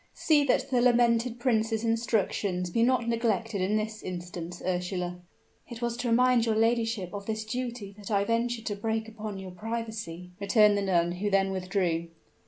See that the lamented prince's instructions be not neglected in this instance, Ursula." "It was to remind your ladyship of this duty that I ventured to break upon your privacy," returned the nun, who then withdrew.